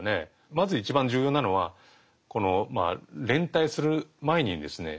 まず一番重要なのはこの連帯する前にですね